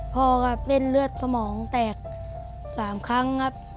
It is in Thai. พ่อกับเส้นเลือดสมองแตก๓ครั้งครับ